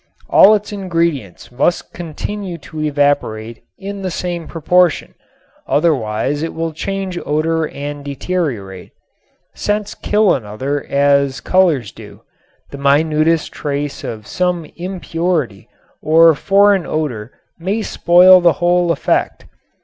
All its ingredients must continue to evaporate in the same proportion, otherwise it will change odor and deteriorate. Scents kill one another as colors do. The minutest trace of some impurity or foreign odor may spoil the whole effect.